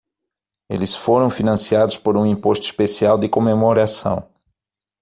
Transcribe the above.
Eles foram financiados por um imposto especial de comemoração.